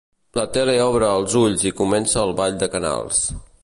La tele obre els ulls i comença el ball de canals.